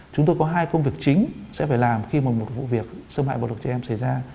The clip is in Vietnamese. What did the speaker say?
chúng tôi có hai công việc chính sẽ phải làm khi một vụ việc xâm hại bảo vệ trẻ em xảy ra